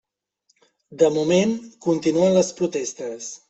De moment, continuen les protestes.